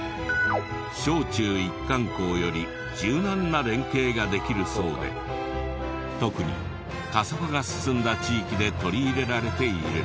小中一貫校より柔軟な連携ができるそうで特に過疎化が進んだ地域で取り入れられている。